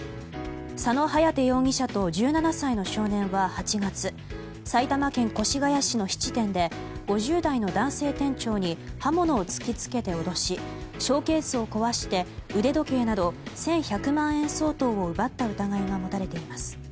佐野颯容疑者と１７歳の少年は８月埼玉県越谷市の質店で５０代の男性店長に刃物を突き付けて脅しショーケースを壊し腕時計など１１００万円相当を奪った疑いが持たれています。